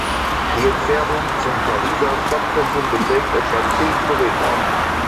Die Entfernung zum Pariser Stadtzentrum beträgt etwa zehn Kilometer.